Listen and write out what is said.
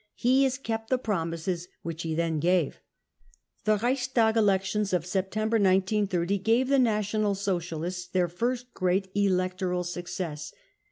He has kept the promises which he then gave. The Reichstag elections of September 1930 gave the National Socialists their first great electoral success.